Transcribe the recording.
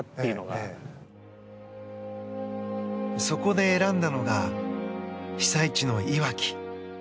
そこで選んだのが被災地のいわき。